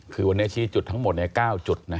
คือวันนี้ชี้จุดทั้งหมด๙จุด